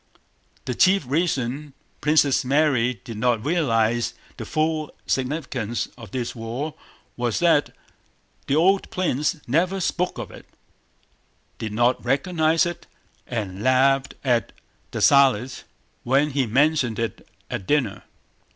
The chief reason Princess Mary did not realize the full significance of this war was that the old prince never spoke of it, did not recognize it, and laughed at Dessalles when he mentioned it at dinner.